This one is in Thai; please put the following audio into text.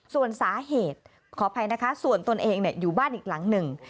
ส่วนสาเหตุขออภัยนะคะส่วนตนเองอยู่บ้านอีกหลังหนึ่ง